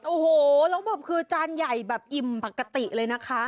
โอ้โหแล้วแบบคือจานใหญ่แบบอิ่มปกติเลยนะคะ